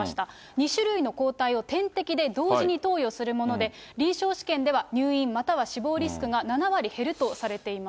２種類の抗体を点滴で同時に投与するもので、臨床試験では入院、または死亡リスクが７割減るとされています。